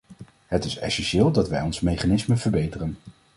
Het is essentieel dat wij ons mechanisme verbeteren.